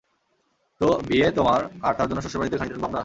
তো বিয়ে তোমার, আর তার জন্য শ্বশুরবাড়িতে ঘানি টানবো আমরা?